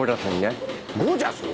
ゴージャスにね。